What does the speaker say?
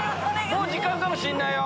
もう時間かもしんないよ！